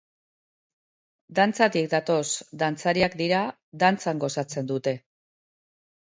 Dantzatik datoz, dantzariak dira, dantzan gozatzen dute.